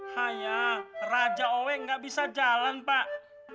hah ya raja owe nggak bisa jalan pak